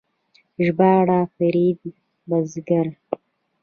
ژباړه فرید بزګر